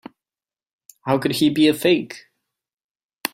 How could he be a fake?